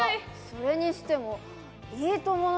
それにしても。